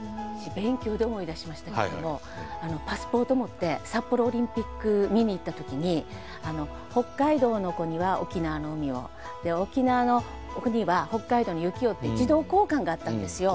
勉強で思い出しましたけどもパスポート持って札幌オリンピック見に行った時に北海道の子には沖縄の海を沖縄の子には北海道の雪をって児童交換があったんですよ。